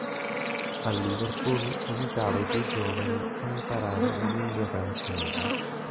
A Liverpool aiutava i più giovani a imparare la lingua francese.